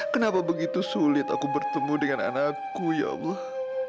kenapa begitu sulit aku bertemu dengan anakku ya allah